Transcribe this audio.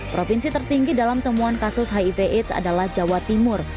provinsi tertinggi dalam temuan kasus hiv aids adalah jawa timur